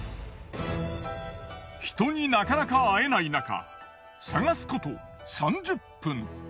人になかなか会えないなか探すこと３０分。